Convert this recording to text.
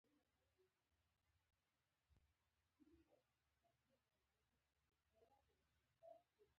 ازادي راډیو د بهرنۍ اړیکې په اړه په ژوره توګه بحثونه کړي.